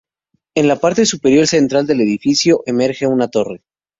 En la parte superior central del edificio emerge una torre.